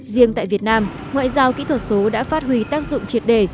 riêng tại việt nam ngoại giao kỹ thuật số đã phát huy tác dụng triệt đề